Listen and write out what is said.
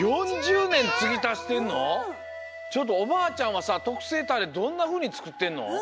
ちょっとおばあちゃんはさとくせいタレどんなふうにつくってんの？